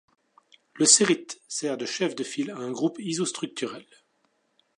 Le cérite sert de chef de file à un groupe isostructurel.